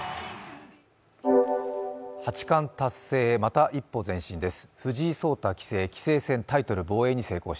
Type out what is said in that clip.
八冠達成へ、また一歩前進です。